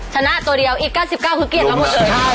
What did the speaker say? ชนะตัวเดียวอีก๙๙คือเกลียดเราหมดเลย